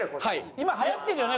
今はやってるよね？